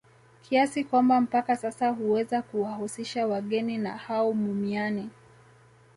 Kiasi kwamba mpaka sasa huweza kuwahusisha wageni na hao mumiani